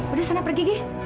udah sana pergi gi